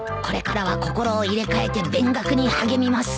これからは心を入れ替えて勉学に励みます